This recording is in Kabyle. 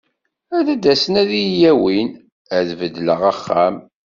Ad d-asen ad yi-awin, ad beddleɣ axxam.